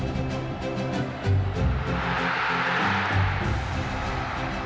สื่อบรรชนนะครับว่าขอให้เอาประเด็นนี้กลับมาคิดว่า